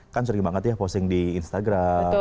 kan sering banget ya posting di instagram